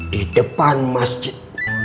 di depan masjid